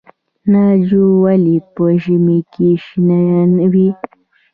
ناجو ولې په ژمي کې شنه وي؟